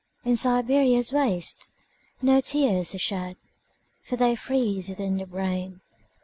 In Siberia's wastesNo tears are shed, For they freeze within the brain.